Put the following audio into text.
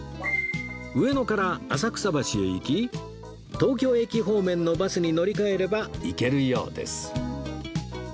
上野から浅草橋へ行き東京駅方面のバスに乗り換えれば行けるようです